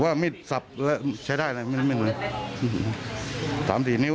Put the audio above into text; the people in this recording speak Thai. ไม่สบไม่ใช่ช่ายได้แล้วแบบนี้ว่ะ